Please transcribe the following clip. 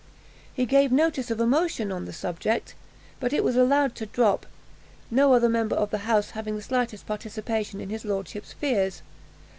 He gave notice of a motion on the subject; but it was allowed to drop, no other member of the House having the slightest participation in his lordship's fears.